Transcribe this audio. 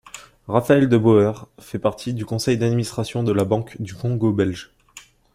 Raphaël de Bauer fait partie du conseil d'administration de la Banque du Congo belge.